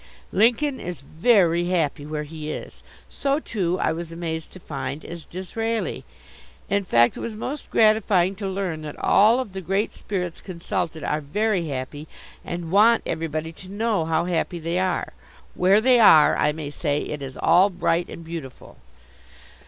Lincoln is very happy where he is. So, too, I was amazed to find, is Disraeli. In fact, it was most gratifying to learn that all of the great spirits consulted are very happy, and want everybody to know how happy they are. Where they are, I may say, it is all bright and beautiful.